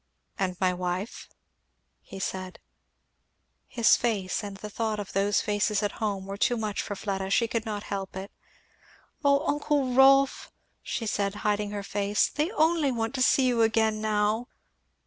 "And my wife?" he said. His face, and the thought of those faces at home, were too much for Fleda; she could not help it; "Oh, uncle Rolf," she said, hiding her face, "they only want to see you again now!"